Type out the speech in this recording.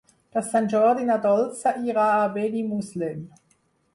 Per Sant Jordi na Dolça irà a Benimuslem.